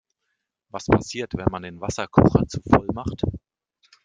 Was passiert, wenn man den Wasserkocher zu voll macht?